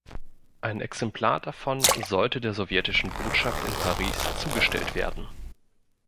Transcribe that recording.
Ein Exemplar davon sollte der sowjetischen Botschaft in Paris zugestellt werden.